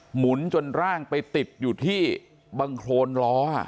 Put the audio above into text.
หมุนจนร่างไปติดอยู่ที่บังโครนล้อ